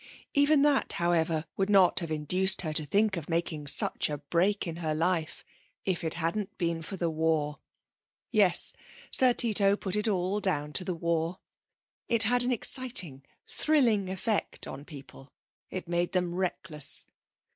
Even that, however, would not have induced her to think of making such a break in her life if it hadn't been for the war. Yes, Sir Tito put it all down to the war. It had an exciting, thrilling effect on people. It made them reckless.